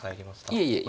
いえいえ。